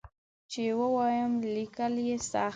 چې ووایم لیکل یې سخت دي.